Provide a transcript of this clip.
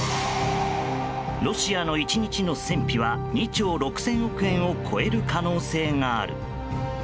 ロシアの１日の戦費は２兆６０００億円を超える可能性がある。